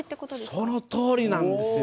そのとおりなんですよ。